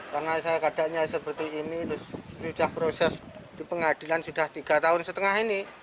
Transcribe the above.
karena saya kadangnya seperti ini sudah proses di pengadilan sudah tiga tahun setengah ini